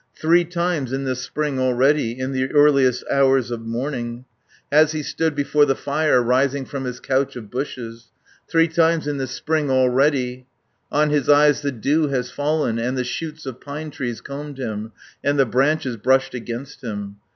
"Three times in this spring already, In the earliest hours of morning, 500 Has he stood before the fire, Rising from his couch of bushes; Three times in this spring already On his eyes the dew has fallen, And the shoots of pine trees combed him, And the branches brushed against him.